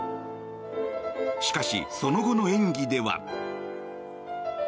しかし、その後の演技では。